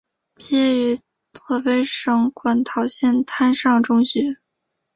毕业于河北省馆陶县滩上中学。